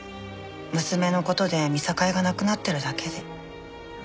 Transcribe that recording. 娘の事で見境がなくなってるだけで。